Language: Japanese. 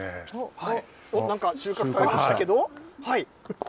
なんか収穫されましたけど。